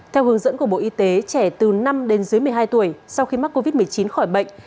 theo hướng dẫn của bộ y tế trẻ từ năm đến dưới một mươi hai tuổi sau khi mắc covid một mươi chín khỏi bệnh